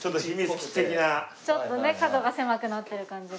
ちょっとね角が狭くなってる感じが。